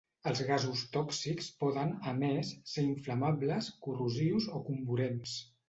Els gasos tòxics poden, a més, ser inflamables, corrosius o comburents.